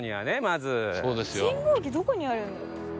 信号機どこにあるんだろう？